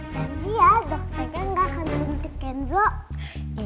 janji ya dokternya gak akan suntikin zul